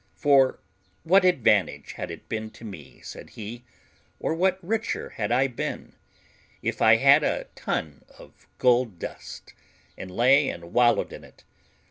"For what advantage had it been to me," said he, "or what richer had I been, if I had a ton of gold dust, and lay and wallowed in it?